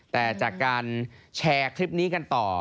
แต่จากการแชร์คลิปนี้กันต่อ